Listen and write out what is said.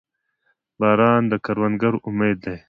• باران د کروندګرو امید دی.